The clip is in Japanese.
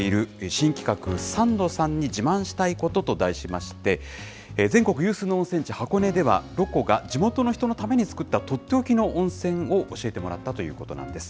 新企画、サンドさんに自慢したいこと！と題しまして、全国有数の温泉地、箱根では、ロコが地元の人のために作った取って置きの温泉を教えてもらったということなんです。